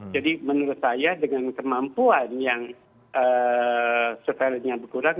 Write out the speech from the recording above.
jadi menurut saya dengan kemampuan yang surveillance yang berkurang